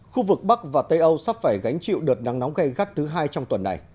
khu vực bắc và tây âu sắp phải gánh chịu đợt nắng nóng gây gắt thứ hai trong tuần này